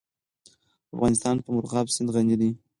افغانستان په مورغاب سیند غني دی.